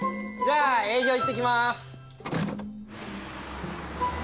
じゃあ営業行ってきます！